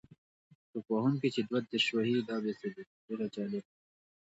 توپ وهونکی چې دوه دېرش وهي دا بیا څه دی؟ ډېر جالبه.